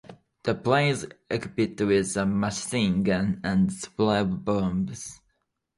The plane is equipped with a machine gun and a supply of bombs.